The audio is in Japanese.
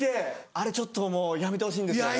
あれちょっともうやめてほしいんですよね。